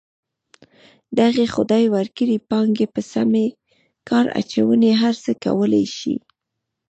دغې خدای ورکړې پانګې په سمې کار اچونې هر څه کولی شي.